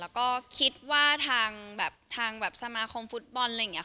แล้วก็คิดว่าทางแบบทางแบบสมาคมฟุตบอลอะไรอย่างนี้